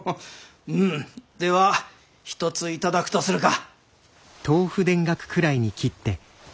では一つ頂くとするか。